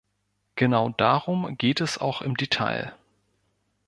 Genau darum geht es auch im Detail.